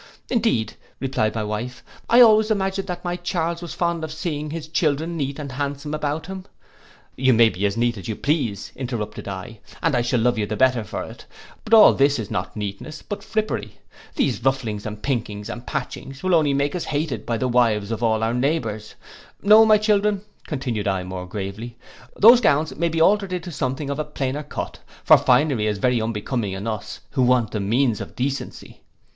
'—'Indeed,' replied my wife, 'I always imagined that my Charles was fond of seeing his children neat and handsome about him.'—'You may be as neat as you please,' interrupted I, 'and I shall love you the better for it, but all this is not neatness, but frippery. These rufflings, and pinkings, and patchings, will only make us hated by all the wives of all our neighbours. No, my children,' continued I, more gravely, 'those gowns may be altered into something of a plainer cut; for finery is very unbecoming in us, who want the means of decency.